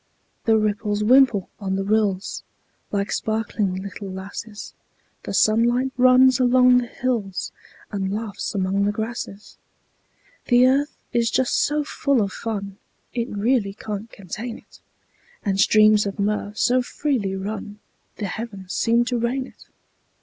The ripples wimple on the rills, Like sparkling little lasses; The sunlight runs along the hills, And laughs among the grasses. The earth is just so full of fun It really can't contain it; And streams of mirth so freely run The heavens seem to rain it.